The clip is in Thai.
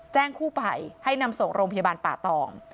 แจ้งคู่ไปให้นำส่งโรงพยาบาลป่าตอง